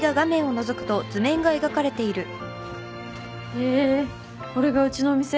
へぇこれがうちの店？